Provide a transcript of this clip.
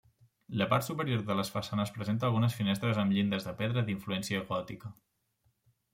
La part superior de les façanes presenta algunes finestres amb llindes de pedra d'influència gòtica.